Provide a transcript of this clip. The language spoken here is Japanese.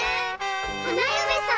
花嫁さん。